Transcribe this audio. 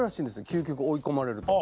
究極追い込まれると。